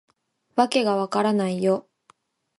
わけが分からないよ